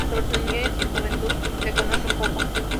Sobre su niñez y juventud se conoce poco.